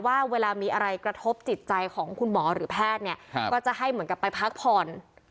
ว่าเวลามีอะไรกระทบจิตใจของคุณหมอหรือแพทย์เนี่ยก็จะให้เหมือนกับไปพักผ่อน